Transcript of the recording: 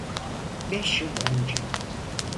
Beş yıl önce.